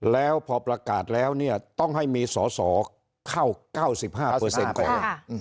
แล้วพอประกาศแล้วเนี่ยต้องให้มีสอสอเข้า๙๕ก่อน